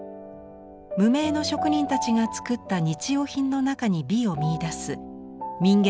無名の職人たちが作った日用品の中に美を見いだす民藝